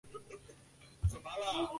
此外还有各种各样的费用。